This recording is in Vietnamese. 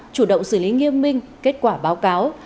chủ động xử lý nghiêm minh kết quả báo cáo